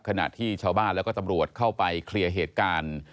ขณะที่ชาวบ้านแล้วก็ตำรวจเข้าไปเคลียร์เหตุการณ์